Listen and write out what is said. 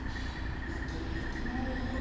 いけないいけない。